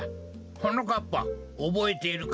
はなかっぱおぼえているか？